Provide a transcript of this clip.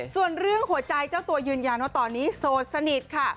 ส่วนเรื่องหัวใจเจ้าตัวยืนยันว่าตอนนี้โสดสนิทค่ะ